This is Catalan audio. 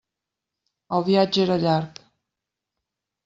El viatge era llarg.